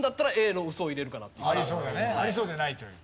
ありそうでないという。